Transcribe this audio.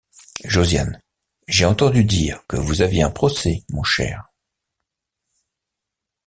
Josiane: « J’ai entendu dire que vous aviez un procès, mon cher.